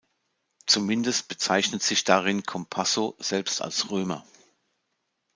Zumindest bezeichnet sich darin Compasso selbst als "Römer".